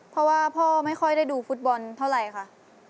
เพราะว่าพ่อไม่ค่อยได้ดูฟุตบอลเท่าไหร่ค่ะ